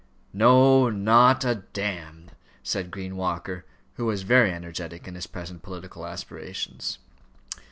"No, not a d ," said Green Walker, who was very energetic in his present political aspirations.